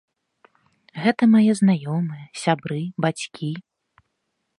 Гэта мае знаёмыя, сябры, бацькі.